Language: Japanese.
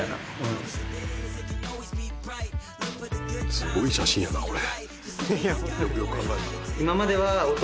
「すごい写真やなこれ」